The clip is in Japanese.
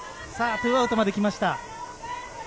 ２アウトまで来ました。